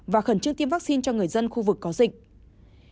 và khẩn trương tiêm vaccine cho người dân khu vực có dịch